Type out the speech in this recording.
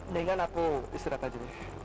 dengan aku istirahat saja